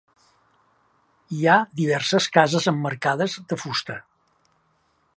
Hi ha diverses cases emmarcades de fusta.